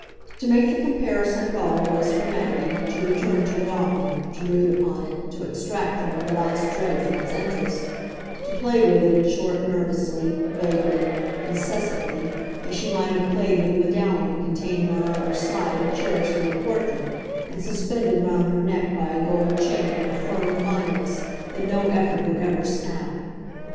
To make the comparison at all was, for Maggie, to return to it often, to brood upon it, to extract from it the last dregs of its interest to play with it, in short, nervously, vaguely, incessantly, as she might have played with a medallion containing on either side a cherished little portrait and suspended round her neck by a gold chain of a firm fineness that no effort would ever snap.